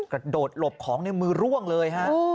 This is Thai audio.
กระโดดหลบของในมือร่วงเลยฮะ